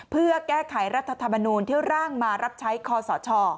เพื่อแก้ไขรัฐธรรมนูลที่ร่างมารับใช้คอสช